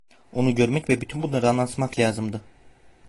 Onu görmek ve bütün bunları anlatmak lazımdı.